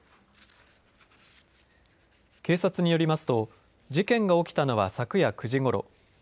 警察によりますと、事件が起きたのは昨夜９時ごろ。